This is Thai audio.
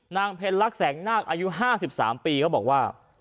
ทางเพลลักษณ์แสงนาคอายุ๕๓ปีเขาบอกว่า